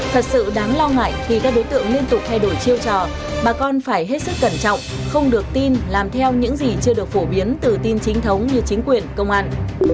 thật sự đáng lo ngại khi các đối tượng liên tục thay đổi chiêu trò bà con phải hết sức cẩn trọng không được tin làm theo những gì chưa được phổ biến từ tin chính thống như chính quyền công an